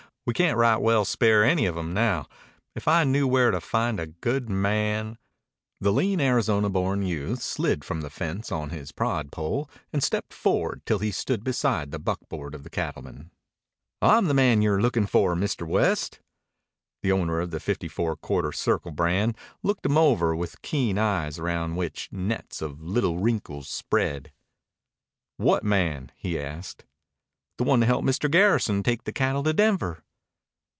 We can't right well spare any of 'em now. If I knew where to find a good man " The lean Arizona born youth slid from the fence on his prod pole and stepped forward till he stood beside the buckboard of the cattleman. "I'm the man you're lookin' for, Mr. West." The owner of the Fifty Four Quarter Circle brand looked him over with keen eyes around which nets of little wrinkles spread. "What man?" he asked. "The one to help Mr. Garrison take the cattle to Denver."